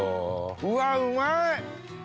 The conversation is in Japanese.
うわうまい！